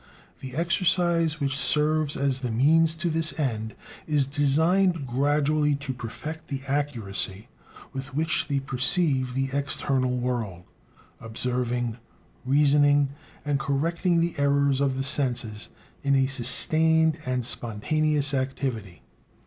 The exercise which serves as the means to this end is designed gradually to perfect the accuracy with which they perceive the external world, observing, reasoning, and correcting the errors of the senses in a sustained and spontaneous activity.